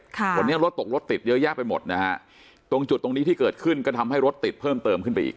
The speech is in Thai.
ค่ะวันนี้รถตกรถติดเยอะแยะไปหมดนะฮะตรงจุดตรงนี้ที่เกิดขึ้นก็ทำให้รถติดเพิ่มเติมขึ้นไปอีก